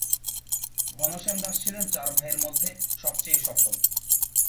ঘনশ্যাম দাস ছিলেন চার ভাইয়ের মধ্যে সবচেয়ে সফল।